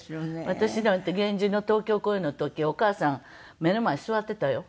私なんて『源氏』の東京公演の時お母さん目の前に座っていたよ。